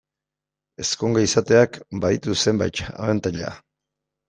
Ezkonge izateak baditu zenbait abantaila.